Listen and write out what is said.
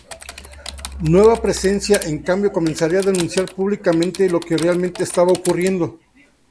Nueva Presencia, en cambio, comenzaría a denunciar públicamente lo que realmente estaba ocurriendo.